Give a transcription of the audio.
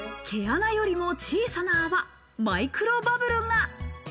毛穴よりも小さな泡、マイクロバブルが。